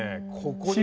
ここに。